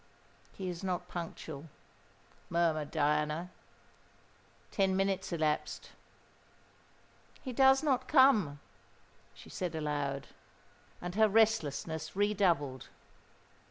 "He is not punctual," murmured Diana. Ten minutes elapsed. "He does not come!" she said aloud. And her restlessness redoubled.